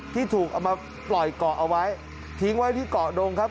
ที่ถูกเอามาปล่อยเกาะเอาไว้ทิ้งไว้ที่เกาะดงครับ